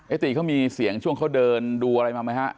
ติเขามีเสียงช่วงเขาเดินดูอะไรมาไหมฮะ